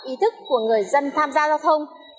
ý thức của người dân tham gia giao thông